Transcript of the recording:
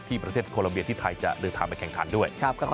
ประเทศโคลัมเบียที่ไทยจะเดินทางไปแข่งขันด้วย